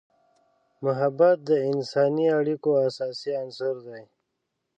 محبت د انسانی اړیکو اساسي عنصر دی.